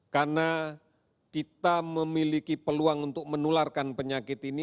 karena kita memiliki peluang untuk menularkan penyakit ini